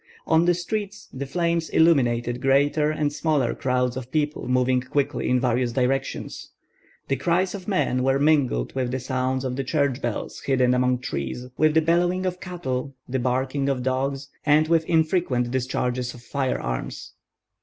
On the street the flames illuminated greater and smaller crowds of people moving quickly in various directions. The cries of men were mingled with the sounds of the church bells hidden among trees, with the bellowing of cattle, the barking of dogs, and with infrequent discharges of firearms.